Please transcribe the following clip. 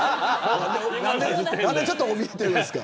何で、ちょっとおびえてるんですか。